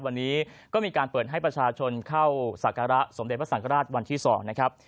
วันนี้ก็มีการเปิดให้ประชาชนเข้าสักการะสมเด็จพระสังฆราชวันที่๒นะครับ